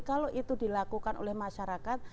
kalau itu dilakukan oleh masyarakat